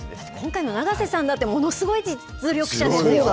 今回の永瀬さんもものすごい実力者ですよ。